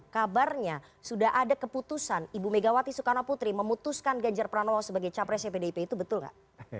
kabarnya sudah ada keputusan ibu megawati soekarno putri memutuskan ganjar pranowo sebagai capresnya pdip itu betul nggak